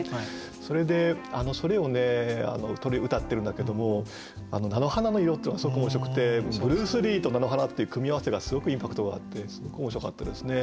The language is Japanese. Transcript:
それでそれを歌ってるんだけども「菜の花の色」っていうのがすごく面白くて「ブルース・リー」と「菜の花」っていう組み合わせがすごくインパクトがあってすごく面白かったですね。